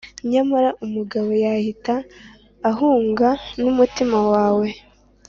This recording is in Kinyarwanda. nyamara umugabo yahita ahunga numutima wawe;